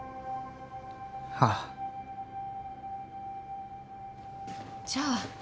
ああじゃあ